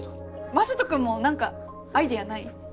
雅人君も何かアイデアない？